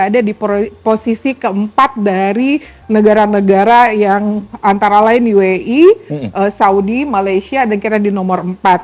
ada di posisi keempat dari negara negara yang antara lain di wi saudi malaysia dan kita di nomor empat